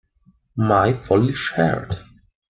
My Foolish Heart